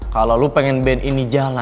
kalo lu pengen band ini jalan